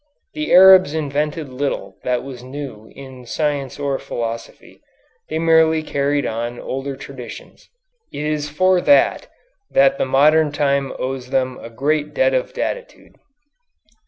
The Arabs invented little that was new in science or philosophy; they merely carried on older traditions. It is for that that the modern time owes them a great debt of gratitude.